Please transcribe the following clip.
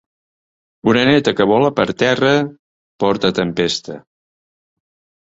Oreneta que vola per terra porta tempesta.